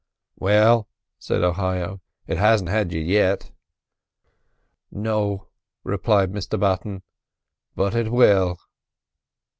"Well," said Ohio, "it hasn't had you yet." "No," replied Mr Button, "but it will."